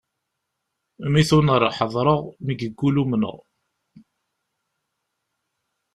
Mi tuner ḥedreɣ, mi yeggul umneɣ.